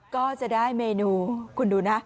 ก็จะได้เมนูคุณดูนะ